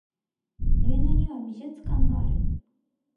上野には美術館がある